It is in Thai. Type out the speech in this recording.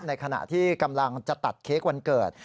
ในขณะที่กำลังจะตัดเค้กวันเกิด